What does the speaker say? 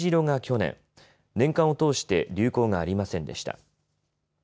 年間を通して流行がありませんでした。